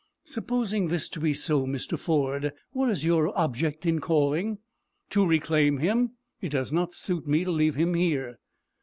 "Supposing this to be so, Mr. Ford, what is your object in calling?" "To reclaim him. It does not suit me to leave him here."